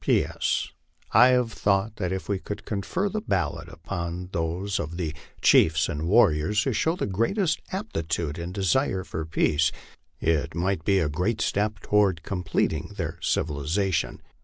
P. S. I have thought that if we could confer the ballot upon those of the chiefs and warriors who show the greatest aptitude and desire for peace, it might be a great step toward completing their civilization.